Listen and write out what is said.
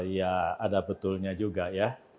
ya ada betulnya juga ya